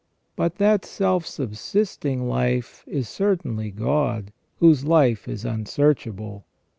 But that self subsisting life is certainly God, whose life is unsearchable.